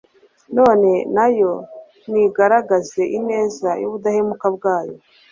none na yo nigaragaze ineza n'ubudahemuka bwayo